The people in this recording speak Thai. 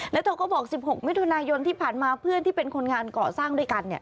แล้วเธอก็บอก๑๖มิถุนายนที่ผ่านมาเพื่อนที่เป็นคนงานก่อสร้างด้วยกัน